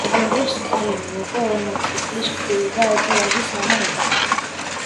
ამ დროს სტალინი უკვე ორმოცი წლის ქვრივი და ერთი ვაჟის მამა იყო.